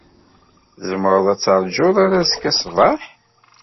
Tzemreḍ ad terjuḍ ar azekka ṣṣbeḥ?